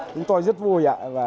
chúng tôi rất vui